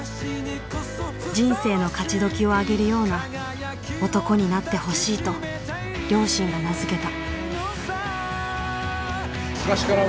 人生の勝ちどきをあげるような男になってほしいと両親が名付けた。